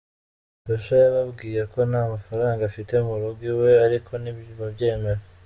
Tosh yababwiye ko nta mafaranga afite mu rugo iwe ariko nti babyemera.